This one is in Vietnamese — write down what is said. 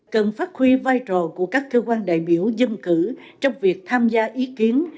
cần phát huy vai trò của các cơ quan đại biểu dân cử trong việc tham gia ý kiến